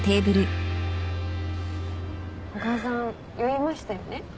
古賀さん酔いましたよね？